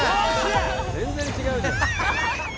全然違うじゃん。